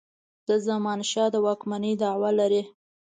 د زمانشاه د واکمنی دعوه لري.